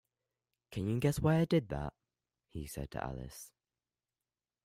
‘Can you guess why I did that?’ he said to Alice.